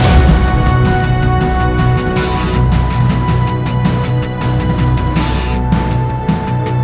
aku tidak boleh tinggal diam